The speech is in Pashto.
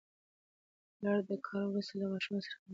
پلر د کار وروسته له ماشومانو سره خبرې کوي